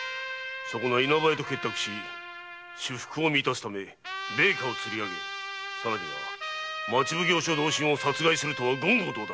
稲葉屋と結託し私腹を満たすため米価をつり上げさらには町奉行所同心を殺害するとは言語道断。